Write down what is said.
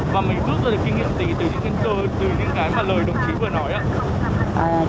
và mình vứt ra được kinh nghiệm gì từ những cái mà lời đồng chí vừa nói